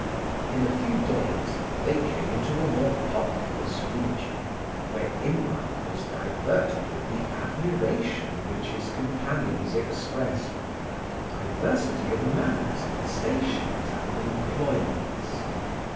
In a few days they came into a more populous region, where Imlac was diverted with the admiration which his companions expressed at the diversity of manners, stations, and employments.